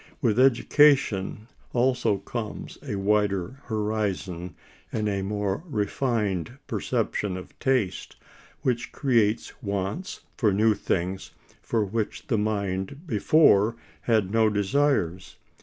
With education also comes a wider horizon and a more refined perception of taste, which creates wants for new things for which the mind before had no desires.